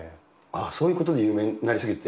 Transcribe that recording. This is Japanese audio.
そういうことで有名になり過ぎて？